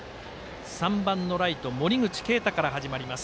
３番のライト森口圭太から始まります